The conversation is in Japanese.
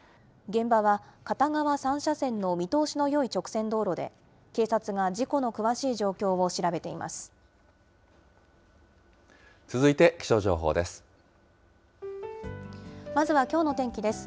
現場は片側３車線の見通しのよい直線道路で、警察が事故の詳しい状況を調べています。